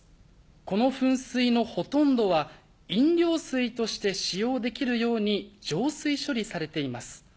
この噴水のほとんどは飲料水として使用できるように浄水処理されています。